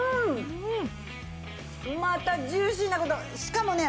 またジューシーなことしかもね